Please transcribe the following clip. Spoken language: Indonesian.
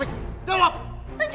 rencana apa sih